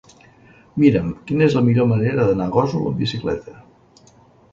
Mira'm quina és la millor manera d'anar a Gósol amb bicicleta.